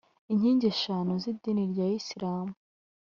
inkingi eshanu z’idini rya isilamu